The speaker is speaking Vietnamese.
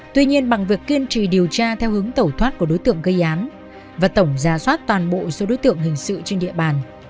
tuy nhiên bằng việc kiên trì điều tra theo hướng tẩu thoát của đối tượng gây án và tổng giả soát toàn bộ số đối tượng hình sự trên địa bàn